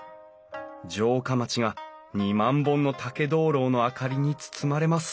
城下町が２万本の竹灯籠の明かりに包まれます